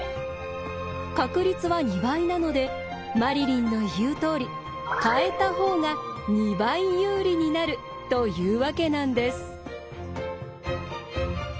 確率は２倍なのでマリリンの言うとおり変えた方が２倍有利になるというわけなんです。